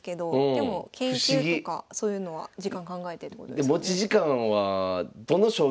でも研究とかそういうのは時間考えてってことですよね。